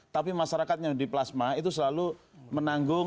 tapi masyarakatnya di plasma itu selalu menanggung